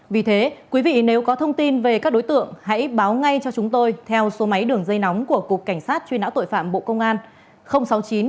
vì thế quý vị nếu có thông tin về các đối tượng hãy báo ngay cho chúng tôi theo số máy đường dây nóng của cục cảnh sát truy nã tội phạm bộ công an sáu mươi chín hai trăm ba mươi hai một nghìn sáu trăm sáu mươi bảy